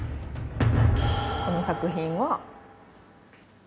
この作品は。